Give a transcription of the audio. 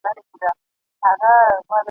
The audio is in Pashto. سل روپۍ پوره كه داختر شپه پر كور كه ..